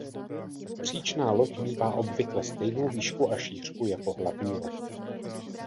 Příčná loď mívá obvykle stejnou výšku a šířku jako hlavní loď.